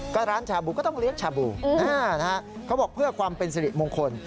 ก็ร้านชาบูก็ต้องเลี้ยงชาบูเขาบอกเพื่อความเป็นสิริมงคล